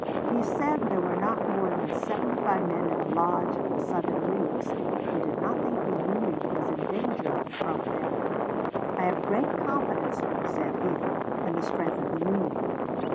He said there were not more than seventy five men in the lodges of the Southern Leagues. He did not think the Union was in danger from them. "I have great confidence," said he, "in the strength of the Union.